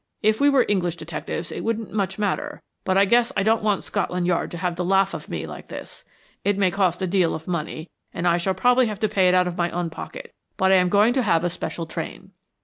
"If we were English detectives it wouldn't much matter, but I guess I don't want Scotland Yard to have the laugh of me like this. It may cost a deal of money, and I shall probably have to pay it out of my own pocket, but I am going to have a special train."